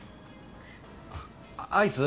アイス？